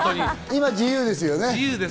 今、自由ですよね。